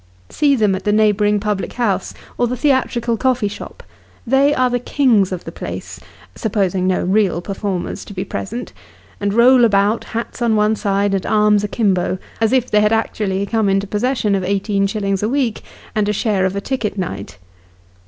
See them at the neighbouring public house or the theatrical coffee shop ! They are the kings of the place, supposing no real performers to be present ; and roll about, hats on one side, and arms akimbo, as if they had actually come into possession of eighteen shillings a week, and a share of a ticket night.